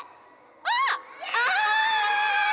あっ！